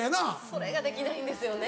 それができないんですよね